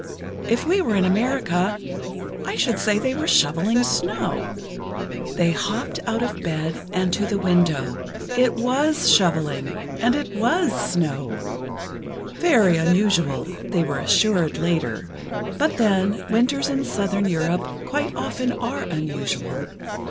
"If we were in America, I should say they were shoveling snow." They hopped out of bed, and to the window. It was shoveling, and it was snow. "Very unusual," they were assured later. But then, winters in Southern Europe quite often are unusual.